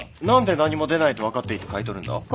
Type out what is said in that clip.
何で何も出ないと分かっていて買い取るんだ？